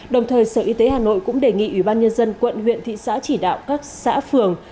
đồng thời sở y tế hà nội cũng đề nghị ubnd quận huyện thị xã chỉ đạo các xã phường